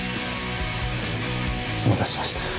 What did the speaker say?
お待たせしました。